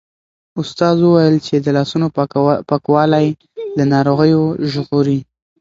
استاد وویل چې د لاسونو پاکوالی له ناروغیو ژغوري.